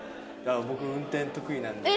僕運転得意なんで。